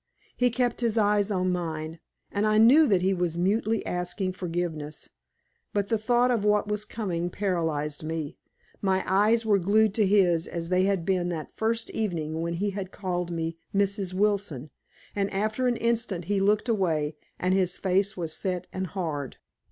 He kept his eyes on mine, and I knew that he was mutely asking forgiveness. But the thought of what was coming paralyzed me. My eyes were glued to his as they had been that first evening when he had called me "Mrs. Wilson," and after an instant he looked away, and his face was set and hard.